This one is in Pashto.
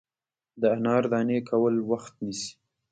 د انار دانې کول وخت نیسي.